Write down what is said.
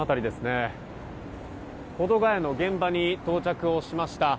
保土谷の現場に到着をしました。